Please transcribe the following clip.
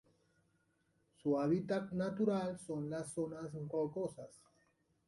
Se hábitat natural son las zonas rocosas.